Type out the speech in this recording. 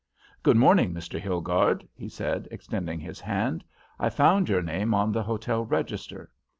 "Good morning, Mr. Hilgarde," he said, extending his hand; "I found your name on the hotel register.